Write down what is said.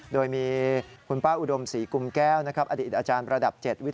โดยมีคุณป้าอุดมศรีกุมแก้ว